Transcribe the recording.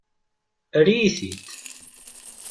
Err-iyi-t-id!